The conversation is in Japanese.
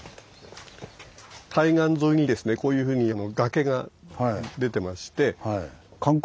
海岸沿いにですねこういうふうに崖が出てまして。